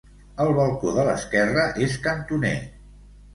El balcó de l'esquerra és cantoner.